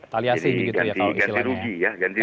tali asih begitu ya kalau isilahnya